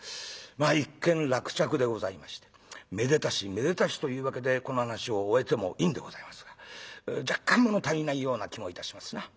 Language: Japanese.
まあ一件落着でございましてめでたしめでたしというわけでこの噺を終えてもいいんでございますが若干物足りないような気もいたしますな。